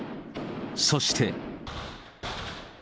そして。